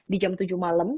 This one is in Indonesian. di jam tujuh malam